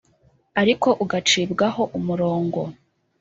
ariko ugacibwaho umurongo.